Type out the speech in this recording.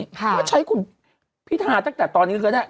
ก็ใช้คุณพิธาตั้งแต่ตอนนี้ก็ได้